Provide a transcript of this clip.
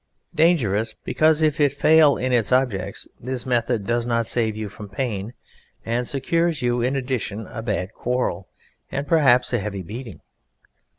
"Dangerous," because if it fail in its objects this method does not save you from pain, and secures you in addition a bad quarrel, and perhaps a heavy beating.